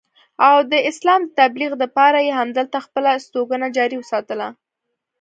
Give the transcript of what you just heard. او د اسلام د تبليغ دپاره ئې هم دلته خپله استوګنه جاري اوساتله